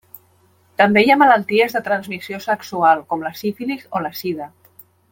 També hi ha malalties de transmissió sexual com la sífilis o la sida.